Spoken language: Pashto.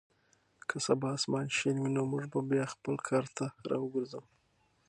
که سبا اسمان شین وي نو موږ به بیا خپل کار ته راوګرځو.